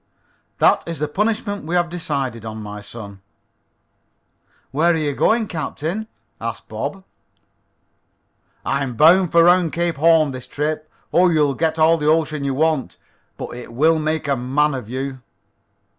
"That is the punishment we have decided on, my son." "Where are you going, captain?" asked Bob. "I'm bound for 'round Cape Horn this trip. Oh, you'll get all the ocean you want, but it will make a man of you."